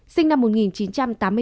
sinh năm một nghìn chín trăm tám mươi bốn